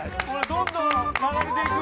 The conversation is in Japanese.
どんどん流れていく。